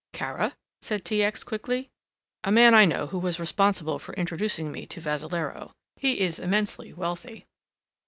"Kara," said T. X. quickly. "A man I know and who was responsible for introducing me to Vassalaro. He is immensely wealthy."